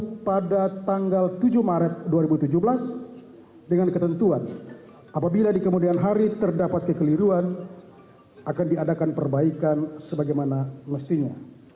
pada tanggal tujuh maret dua ribu tujuh belas dengan ketentuan apabila di kemudian hari terdapat kekeliruan akan diadakan perbaikan sebagaimana mestinya